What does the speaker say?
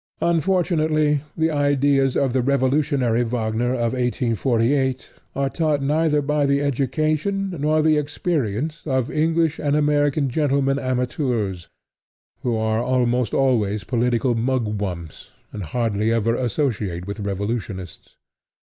Unfortunately, the ideas of the revolutionary Wagner of 1848 are taught neither by the education nor the experience of English and American gentlemen amateurs, who are almost always political mugwumps, and hardly ever associate with revolutionists.